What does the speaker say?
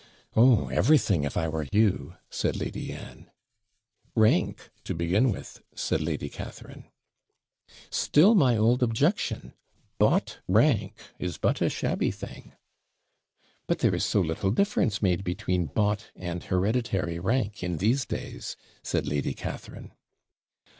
'Oh, everything, if I were you,' said Lady Anne. 'Rank, to begin with,' said Lady Catharine. 'Still my old objection bought rank is but a shabby thing.' 'But there is so little difference made between bought and hereditary rank in these days,' said Lady Catharine.